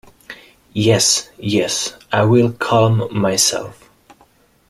Yes, yes, I will calm myself.